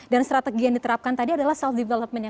dan strategi yang diterapkan tadi adalah self development nya